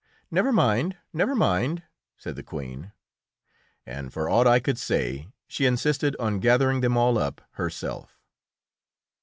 "Never mind, never mind," said the Queen, and, for aught I could say, she insisted on gathering them all up herself.